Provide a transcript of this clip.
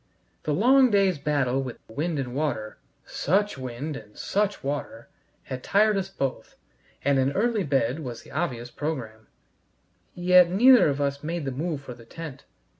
The long day's battle with wind and water such wind and such water! had tired us both, and an early bed was the obvious program. Yet neither of us made the move for the tent.